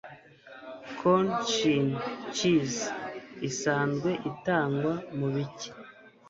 Cornish Cheese isanzwe itangwa mubiki?